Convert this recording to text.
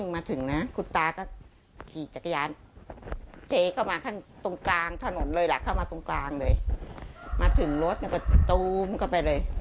มาถึงรถประตูมึงก็ไปเลย